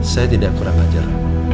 saya tidak kurang ajar